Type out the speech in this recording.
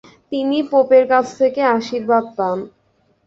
তিনি পোপের কাছ থেকে আশীর্বাদ পান ।